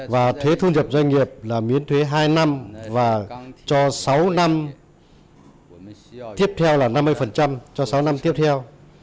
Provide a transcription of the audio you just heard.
và thuế thu nhập doanh nghiệp là miễn thuế hai năm và cho sáu năm tiếp theo là năm mươi cho sáu năm tiếp theo